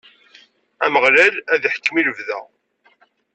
Ameɣlal ad iḥkem i lebda.